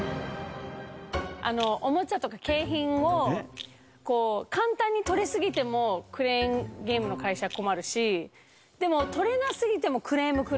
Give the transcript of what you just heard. おもちゃとか景品を簡単に取れすぎてもクレーンゲームの会社困るしでも取れなすぎてもクレーム来るじゃないですか。